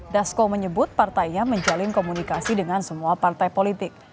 dasko menyebut partainya menjalin komunikasi dengan semua partai politik